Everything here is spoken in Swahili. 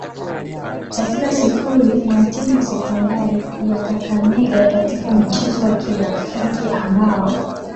kwa sifuri na timu ya sekondari ya kakamega katika mchezo wa kirafiki ambao